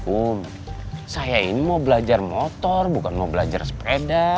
uh saya ini mau belajar motor bukan mau belajar sepeda